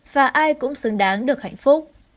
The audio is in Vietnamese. và ai cũng xứng đáng được hạnh phúc